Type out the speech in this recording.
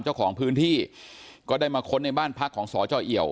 เจ้าของพื้นที่ก็ได้มาค้นในบ้านพักของสจเอี่ยว